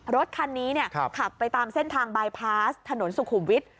รถคันนี้ขับไปตามเส้นทางบายพาสถนนสุขุมวิทย์